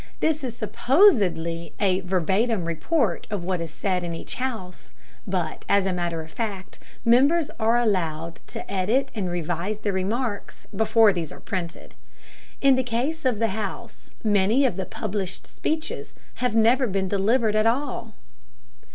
This is supposedly a verbatim report of what is said in each house, but as a matter of fact members are allowed to edit and revise their remarks before these are printed. In the case of the House, many of the published speeches have never been delivered at all.